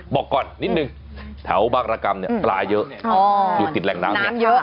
บอกก่อนนิดนึงแถวบางรกรรมเนี่ยปลาเยอะอยู่ติดแหล่งน้ำเนี่ยเยอะ